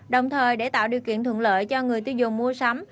đồng thời để tạo điều kiện thuận lợi cho người tiêu dùng mua sắm